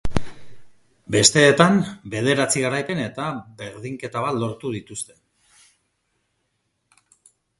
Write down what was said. Besteetan, bederatzi garaipen eta berdinketa bat lortu dituzte.